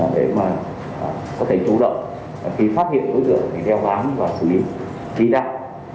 để có thể chủ động khi phát hiện lực lượng để đeo bám và xử lý kỹ đặc